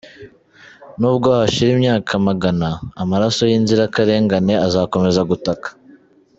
N’ubwo hashira imyaka magana, amaraso y’inzirakarengane azakomeza gutaka.